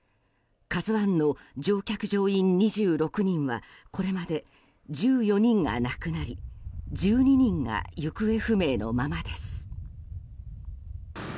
「ＫＡＺＵ１」の乗員・乗客２６人はこれまで１４人が亡くなり１２人が行方不明のままです。